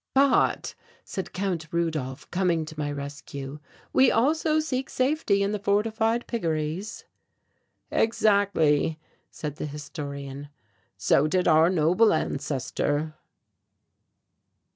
"But," said Count Rudolph, coming to my rescue, "we also seek safety in the fortified piggeries." "Exactly," said the Historian; "so did our noble ancestor."